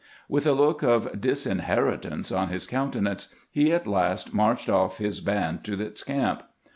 With a look of disinheritance on his countenance, he at last marched off his band to its camp.